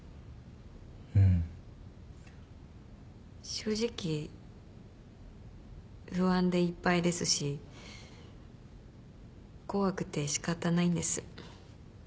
正直不安でいっぱいですし怖くて仕方ないんです。